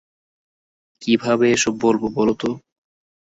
কীভাবে এসব বলব বলো তো?